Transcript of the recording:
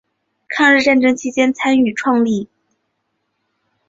抗日战争期间参与创建民盟。